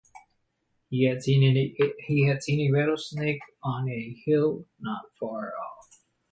He had seen a rattlesnake on a hill not far off.